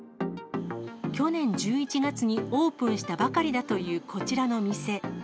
去年１１月にオープンしたばかりだというこちらの店。